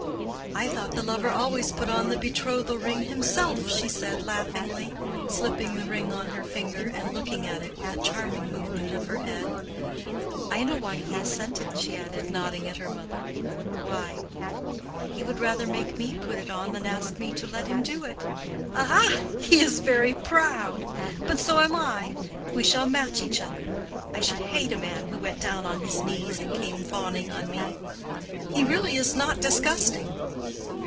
"I thought the lover always put on the betrothal ring himself," she said laughingly, slipping the ring on her finger, and looking at it with a charming movement of her head. "I know why he has sent it," she added, nodding at her mamma. "Why?" "He would rather make me put it on than ask me to let him do it. Aha! he is very proud. But so am I. We shall match each other. I should hate a man who went down on his knees, and came fawning on me. He really is not disgusting."